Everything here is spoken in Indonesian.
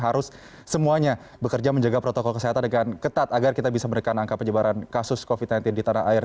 harus semuanya bekerja menjaga protokol kesehatan dengan ketat agar kita bisa menekan angka penyebaran kasus covid sembilan belas di tanah air